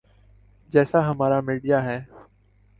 جیسا ہمارا میڈیا ہے۔